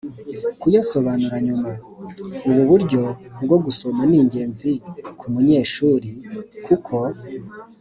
kuyasobanura nyuma. Ubu buryo bwo gusoma ni ingenzi ku munyeshuri kuko